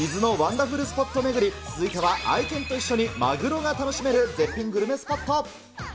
ダフルスポット巡り、続いては愛犬と一緒にマグロが楽しめる絶品グルメスポット。